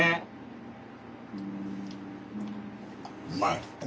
うまい。